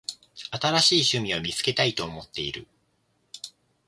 新しい趣味を見つけたいと思っている。